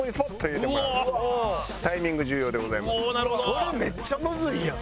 それめっちゃむずいやん！